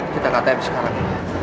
kita kata yang sekarang